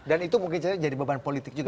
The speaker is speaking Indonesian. dan itu mungkin jadi beban politik juga